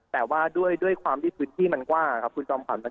แต่ว่าด้วยความริสุทธิ์ที่มันกว้าคุณสำคัญ